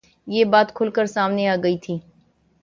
یہ بات کُھل کر سامنے آ گئی تھی